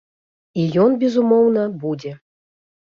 І ён, безумоўна, будзе.